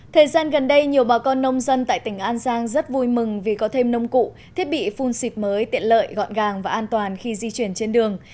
thời gian gần đây nhiều bà con nông dân tại tỉnh an giang rất vui mừng vì có thêm nông cụ thiết bị phun xịt mới tiện lợi gọn gàng và an toàn khi di chuyển trên đường